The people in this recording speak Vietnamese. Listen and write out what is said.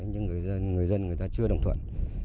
nhưng người dân người ta chưa đồng thuận